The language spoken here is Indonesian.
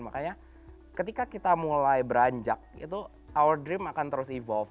makanya ketika kita mulai beranjak itu our dream akan terus evolve